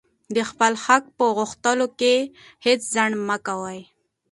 د خپل حق په غوښتلو کښي هېڅ ځنډ مه کوئ!